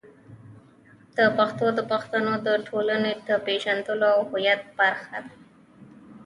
پښتو د پښتنو د ټولنې د پېژندلو او هویت برخه ده.